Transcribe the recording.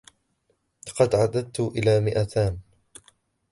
لقد عددت الي مئتان.